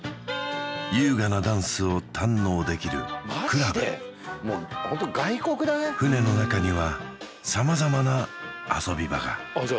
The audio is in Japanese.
優雅なダンスを堪能できるクラブ船の中には様々な遊び場がじゃ